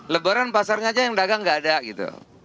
lebaran pasarnya aja yang dagang nggak ada gitu